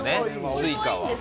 Ｓｕｉｃａは。